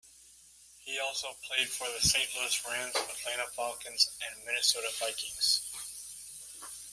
He also played for the Saint Louis Rams, Atlanta Falcons and Minnesota Vikings.